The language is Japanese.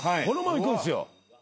このまま行くんですよ。